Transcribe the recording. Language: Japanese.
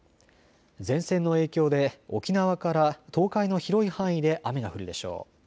前線の影響で沖縄から東海の広い範囲で雨が降るでしょう。